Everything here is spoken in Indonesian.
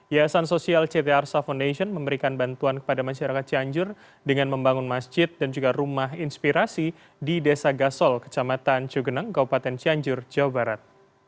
yayasan sosial ct arsa foundation memberikan bantuan kepada masyarakat cianjur dengan membangun masjid dan juga rumah inspirasi di desa gasol kecamatan cugenang kabupaten cianjur jawa barat